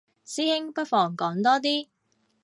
師兄不妨講多啲